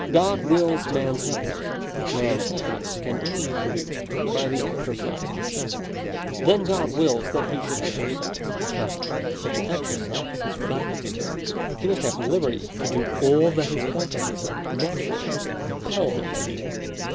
God wills man's happiness. Man's happiness can only be produced by the exercise of his faculties. Then God wills that he should exercise his faculties. But to exercise his faculties he must » have liberty to do all that his faculties naturally impel him to I do.